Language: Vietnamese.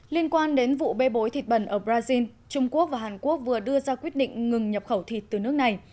liên quan đến vụ bê bối thịt bẩn ở brazil trung quốc và hàn quốc vừa đưa ra quyết định ngừng nhập khẩu thịt từ nước này